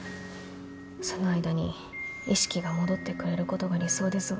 その間に意識が戻ってくれることが理想ですが。